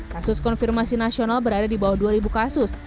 kasus konfirmasi nasional berada di bawah dua kasus